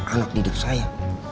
anak didik saya